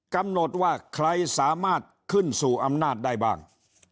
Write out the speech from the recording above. กำหนดว่าใครสามารถขึ้นสู่อำนาจได้บ้าง